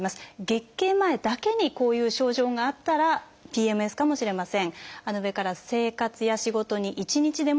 月経前だけにこういう症状があったらＰＭＳかもしれません。